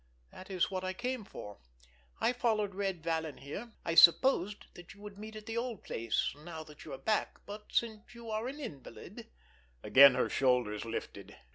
That is what I came for. I followed Red Vallon here. I supposed that you would meet at the old place, now that you are back; but since you are an invalid——" Again the shoulders lifted.